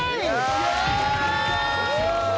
イエーイ！